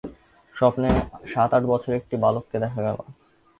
স্বপ্নে সাত-আট বছরের একটি বালককে দেখা গেল।